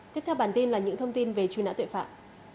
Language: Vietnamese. tiếp theo bản tin là những thông tin về truy nã tội phạm